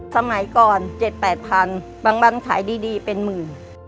สมัยก่อน๗๘๐๐๐บางวันขายดีเป็นหมื่น